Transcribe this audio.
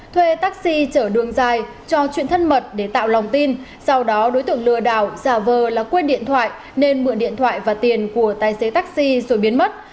thuê taxi chở đường dài trò chuyện thân mật để tạo lòng tin sau đó đối tượng lừa đảo giả vờ là quên điện thoại nên mượn điện thoại và tiền của tài xế taxi rồi biến mất